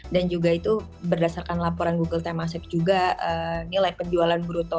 dan juga itu berdasarkan laporan google temasek juga nilai penjualan bruto